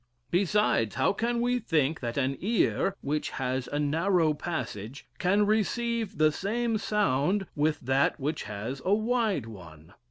Besides, how can we think that an ear, which has a narrow passage, can receive the same sound with that which has a wide one?